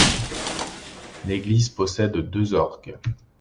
L'église possède deux orgues.